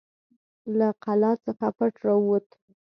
له قلا څخه پټ راووت.